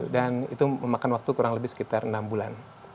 dan itu memakan waktu kurang lebih sekitar enam bulan